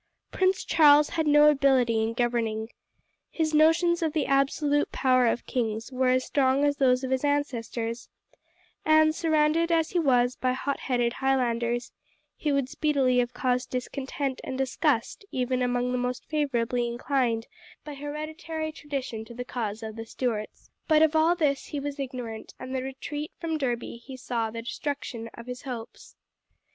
Prince Charles had no ability in governing. His notions of the absolute power of kings were as strong as those of his ancestors, and, surrounded as he was by hotheaded Highlanders, he would speedily have caused discontent and disgust even among those most favourably inclined by hereditary tradition to the cause of the Stuarts. But of all this he was ignorant, and in the retreat from Derby he saw the destruction of his hopes.